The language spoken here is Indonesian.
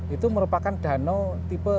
itu merupakan danau tipe